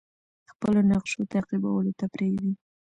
خپلو نقشو تعقیبولو ته پریږدي.